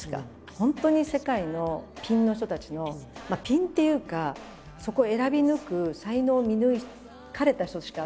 本当に世界のピンの人たちのまあピンっていうかそこを選び抜く才能を見抜かれた人しか集まらないというか。